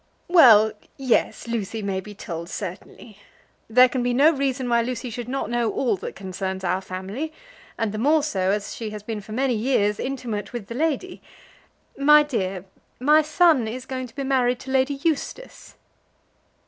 "Well, yes; Lucy may be told certainly. There can be no reason why Lucy should not know all that concerns our family; and the more so as she has been for many years intimate with the lady. My dear, my son is going to be married to Lady Eustace."